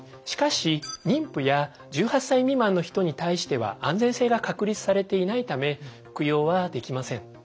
しかし妊婦や１８歳未満の人に対しては安全性が確立されていないため服用はできません。